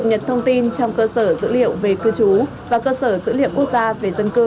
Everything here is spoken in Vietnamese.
cập nhật thông tin trong cơ sở dữ liệu về cư trú và cơ sở dữ liệu quốc gia về dân cư